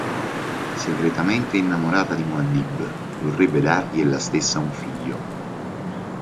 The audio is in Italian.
Segretamente innamorata di Muad'Dib, vorrebbe dargli ella stessa un figlio.